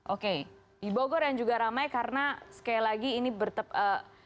oke di bogor yang juga ramai karena sekali lagi ini bertepatan